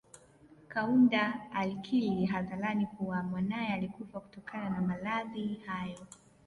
Kaunda alikiri hadharani kuwa mwanaye alikufa kutokana na maradhi hayo